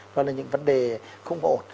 đó là những vấn đề không ổn